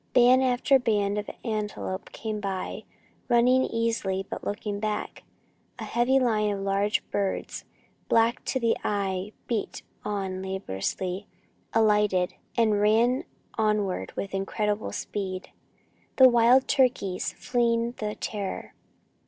Band after band of antelope came on, running easily, but looking back. A heavy line of large birds, black to the eye, beat on laboriously, alighted, and ran onward with incredible speed the wild turkeys, fleeing the terror.